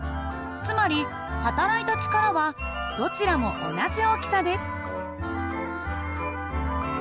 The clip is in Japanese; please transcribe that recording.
つまりはたらいた力はどちらも同じ大きさです。